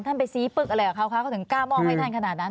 ไปซี้ปึ๊กอะไรกับเขาคะเขาถึงกล้ามอบให้ท่านขนาดนั้น